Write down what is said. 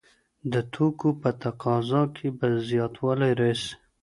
د توکو په تقاضا کي به زياتوالی راسي.